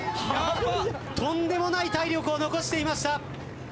とんでもない体力を残していました。